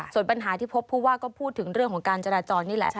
ส่วนปัญหาที่พบผู้ว่าก็พูดถึงเรื่องของการจราจรนี่แหละ